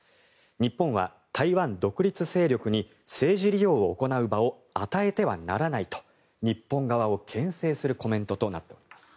日本は台湾独立勢力に政治利用を行う場を与えてはならないと日本側を牽制するコメントとなっております。